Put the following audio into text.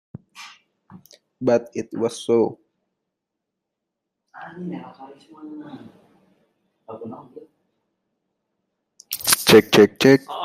But it was so.